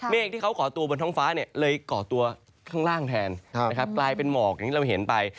ที่เขาก่อตัวบนท้องฟ้าเลยก่อตัวข้างล่างแทนนะครับกลายเป็นหมอกอย่างที่เราเห็นไป